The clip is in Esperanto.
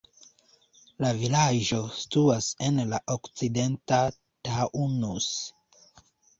La vilaĝo situas en la okcidenta Taunus.